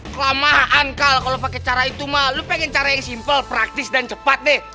kelamaan kal kalau lo pakai cara itu ma lo pengen cara yang simple praktis dan cepat deh